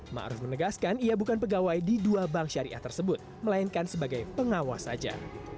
ma'ruf menegaskan ia bukan pegawai di dua bank syariah tersebut melainkan sebagai pengawas saja